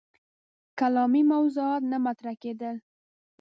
کلامي موضوعات نه مطرح کېدل.